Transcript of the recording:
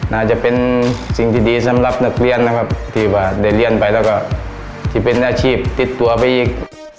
น่าจะเป็นสิ่งที่ดีสำหรับนักเรียนนะครับที่ว่าได้เรียนไปแล้วก็ที่เป็นอาชีพติดตัวไปอีก